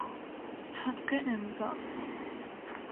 حق امضاء